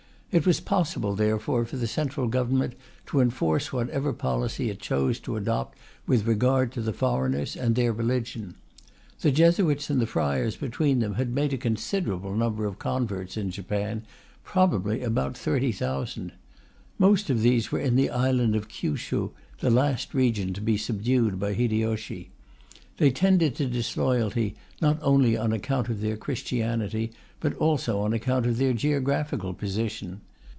It was possible, therefore, for the Central Government to enforce whatever policy it chose to adopt with regard to the foreigners and their religion. The Jesuits and the Friars between them had made a considerable number of converts in Japan, probably about 300,000. Most of these were in the island of Kyushu, the last region to be subdued by Hideyoshi. They tended to disloyalty, not only on account of their Christianity, but also on account of their geographical position.